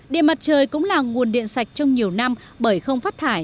điện mặt trời cũng là nguồn điện sạch trong nhiều năm bởi không phát thải